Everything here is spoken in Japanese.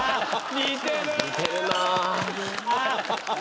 似てるな。